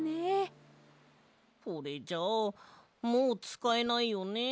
これじゃあもうつかえないよね？